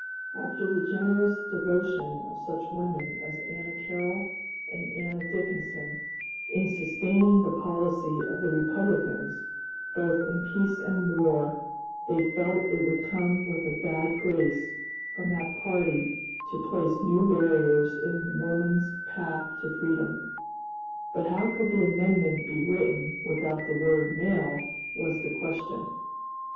After the generous devotion of such women as Anna Carroll and Anna Dickinson in sustaining the policy of the Republicans, both in peace and war, they felt it would come with a bad grace from that party to place new barriers in woman's path to freedom. But how could the amendment be written without the word "male," was the question.